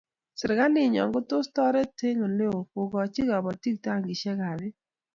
Serikalinyo ko tos taret eng' ole oo kokoch kabatik tankishek ab peek